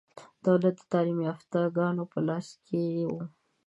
دولت د تعلیم یافته ګانو په لاس کې و.